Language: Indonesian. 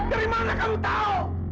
dari mana kamu tahu